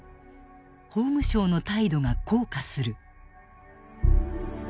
法務省の態度が硬化する。